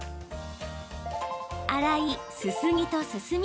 洗い、すすぎと進み